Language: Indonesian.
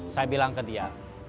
saya bilang ke dia